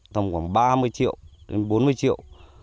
tầm khoảng ba mươi triệu đến bốn mươi triệu